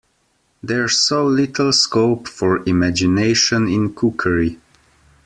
There’s so little scope for imagination in cookery.